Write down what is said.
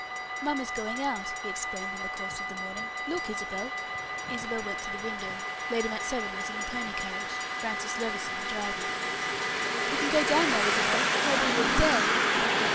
"Mamma's going out," he exclaimed, in the course of the morning. "Look, Isabel." Isabel went to the window. Lady Mount Severn was in the pony carriage, Francis Levison driving. "We can go down now, Isabel, nobody will be there."